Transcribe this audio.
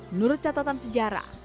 menurut catatan sejarah